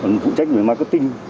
còn phụ trách về marketing